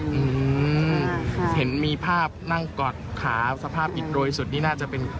อืมเห็นมีภาพนั่งกอดขาสภาพอิดโรยสุดนี่น่าจะเป็น